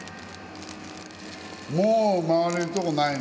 もう回れるとこないね。